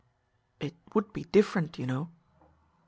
"It would be different, you know."